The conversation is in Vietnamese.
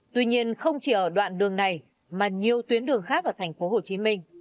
tuy nhiên không chỉ ở đoạn đường này mà nhiều tuyến đường khác ở thành phố hồ chí minh